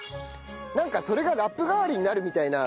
なんかそれがラップ代わりになるみたいな。